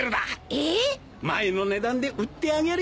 えっ！？